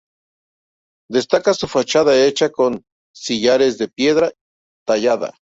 Destaca su fachada hecha con sillares de piedra tallada.